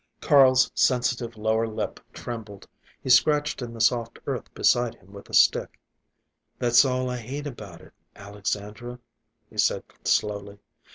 Carl's sensitive lower lip trembled. He scratched in the soft earth beside him with a stick. "That's all I hate about it, Alexandra," he said slowly.